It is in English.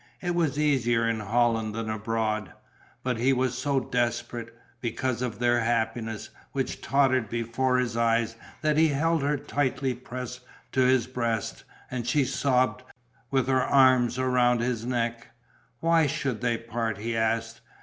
It was easier in Holland than abroad. But he was so desperate, because of their happiness, which tottered before his eyes, that he held her tightly pressed to his breast; and she sobbed, with her arms round his neck. Why should they part, he asked.